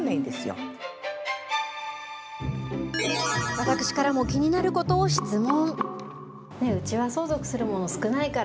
私からも気になることを質問。